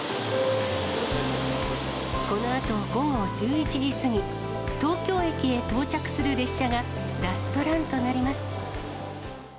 このあと午後１１時過ぎ、東京駅へ到着する列車がラストランとなります。